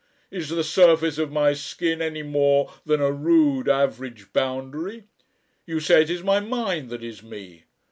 Is the surface of my skin any more than a rude average boundary? You say it is my mind that is me?